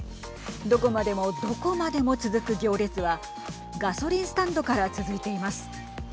どこまでもどこまでも続く行列はガソリンスタンドから続いています。